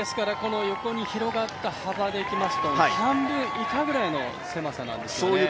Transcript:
横に広がった幅でいきますと半分以下ぐらいの狭さなんです。